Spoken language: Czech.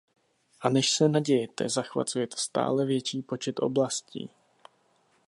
A než se nadějete, zachvacuje to stále větší počet oblastí.